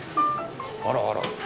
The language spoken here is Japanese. あらあら。